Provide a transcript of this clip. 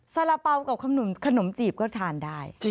สาระเป๋ากับขนมจีบก็ทานได้